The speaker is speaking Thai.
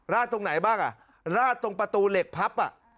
ลาดตรงไหนบ้างลาดตรงประตูเหล็กพับ